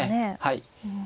はい。